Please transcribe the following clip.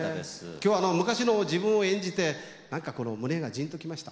今日は昔の自分を演じて何かこの胸がジンときました。